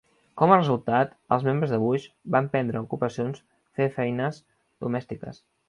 Com a resultat, els membres de Bush van prendre ocupacions fer feines domèstiques.